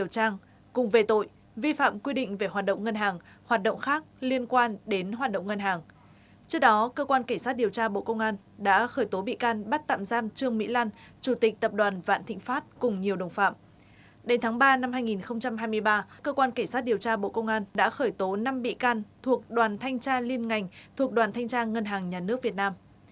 tháng ba năm hai nghìn hai mươi ba cơ quan cảnh sát điều tra bộ công an đã khởi tố năm bị can thuộc đoàn thanh tra liên ngành thuộc đoàn thanh tra ngân hàng nhà nước việt nam